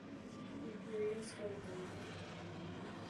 Imperial scored none.